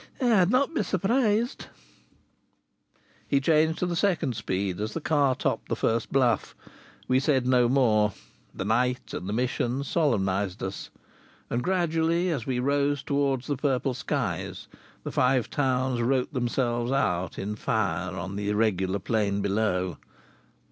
"I'd not be surprised." He changed to the second speed as the car topped the first bluff. We said no more. The night and the mission solemnized us. And gradually, as we rose towards the purple skies, the Five Towns wrote themselves out in fire on the irregular plain below.